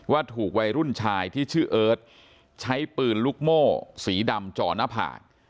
ถูกวัยรุ่นชายที่ชื่อเอิร์ทใช้ปืนลูกโม่สีดำจ่อหน้าผาก